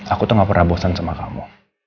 aku tuh gak pernah bosan sama kamu